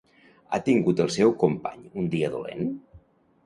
Ha tingut el seu company un dia dolent?